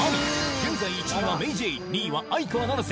現在１位はＭａｙＪ．２位は相川七瀬